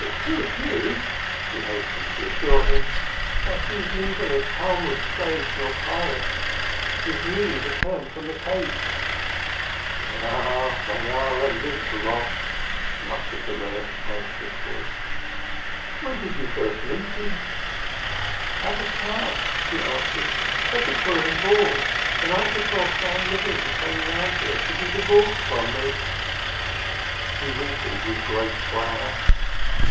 "To a Jew," she hastened to assure him, "But he is neither a Talmud sage nor pious. He is newly returned from the Cape." "Ah, they are a link lot," muttered the Reb anxiously. "Where didst thou first meet him?" "At the Club," she answered. "At the Purim Ball the night before Sam Levine came round here to be divorced from me." He wrinkled his great brow.